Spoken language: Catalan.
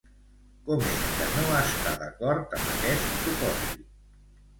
Com és que no està d'acord amb aquest propòsit?